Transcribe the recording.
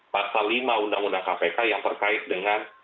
pasal lima undang undang kpk yang terkait dengan